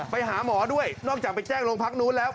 ไปหาหมอด้วยนอกจากไปแจ้งโรงพักนู้นแล้ว